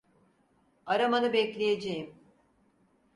Aramanı bekleyeceğim.